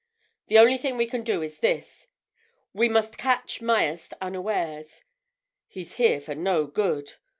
The only thing we can do is this—we must catch Myerst unawares. He's here for no good.